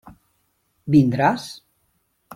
Vindràs?